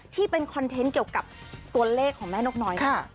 ที่เป็นคอนเทนต์เกี่ยวกับตัวเลขของแม่นกน้อย